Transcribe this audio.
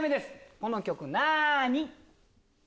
この曲なに？